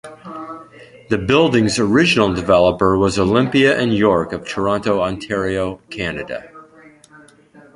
The building's original developer was Olympia and York of Toronto, Ontario, Canada.